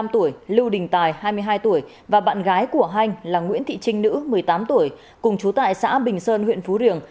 một mươi năm tuổi lưu đình tài hai mươi hai tuổi và bạn gái của hanh là nguyễn thị trinh nữ một mươi tám tuổi cùng chú tại xã bình sơn huyện phú riềng